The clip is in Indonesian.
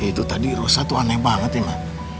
itu tadi rosa tuh aneh banget ya mbak